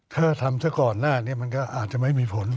ถ้าทำซะก่อนหน้านี้มันก็อาจจะไม่มีผล